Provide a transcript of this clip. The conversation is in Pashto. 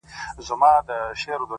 مخامخ وتراشل سوي بت ته گوري;